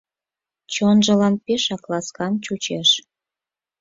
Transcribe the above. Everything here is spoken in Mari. Чонжылан пешак ласкан чучеш.